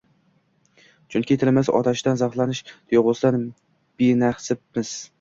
. Chunki tilimiz otashidan zavqlanish tuygʻusidan benasibsan.